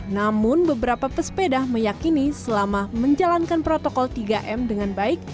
namun beberapa pesepeda meyakini selama menjalankan protokol tiga m dengan baik